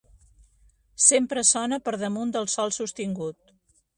Sempre sona per damunt del sol sostingut.